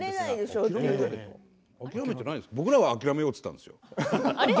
僕らが諦めようと言ったんですよ。